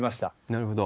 なるほど。